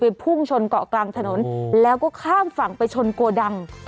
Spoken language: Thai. พุ่งชนเกาะกลางถนนแล้วก็ข้ามฝั่งไปชนโกดัง